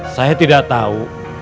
saya tidak tahu